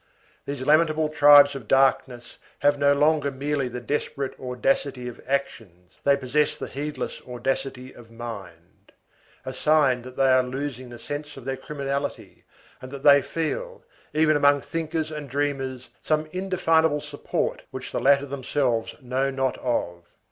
These lamentable tribes of darkness have no longer merely the desperate audacity of actions, they possess the heedless audacity of mind. A sign that they are losing the sense of their criminality, and that they feel, even among thinkers and dreamers, some indefinable support which the latter themselves know not of.